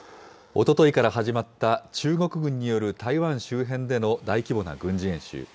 おとといから始まった中国軍による台湾周辺での大規模な軍事演習。